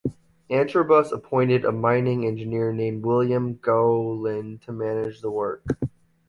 Antrobus appointed a mining engineer named William Gowland to manage the work.